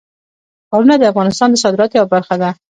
ښارونه د افغانستان د صادراتو یوه برخه ده.